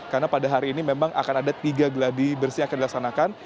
karena pada hari ini memang akan ada tiga geladi bersih yang akan dilaksanakan